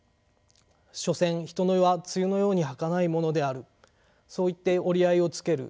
所詮人の世は露のようにはかないものであるそういって折り合いをつける。